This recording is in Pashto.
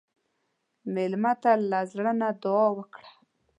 مېلمه ته له زړه نه دعا وکړه.